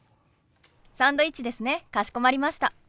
サンドイッチですねかしこまりました。